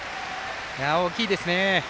大きいですね。